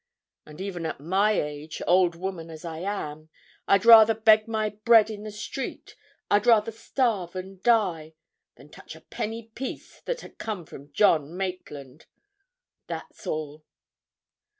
And even at my age, old woman as I am, I'd rather beg my bread in the street, I'd rather starve and die, than touch a penny piece that had come from John Maitland! That's all."